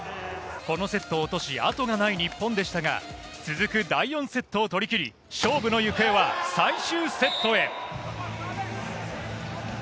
このセットを落とし、あとがない日本でしたが、続く第４セットを取りきり、勝負の行方は最終セットへ。